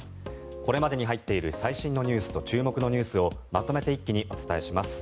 これまでに入っている最新ニュースと注目ニュースをまとめて一気にお伝えします。